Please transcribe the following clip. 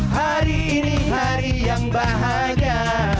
hari ini hari yang bahagia